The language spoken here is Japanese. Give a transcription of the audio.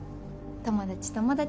友達友達。